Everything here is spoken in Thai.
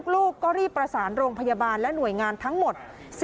ลูกก็รีบประสานโรงพยาบาลและหน่วยงานทั้งหมด